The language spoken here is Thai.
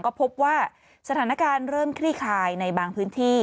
ก็พบว่าสถานการณ์เริ่มคลี่คลายในบางพื้นที่